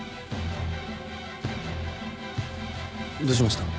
どうしました？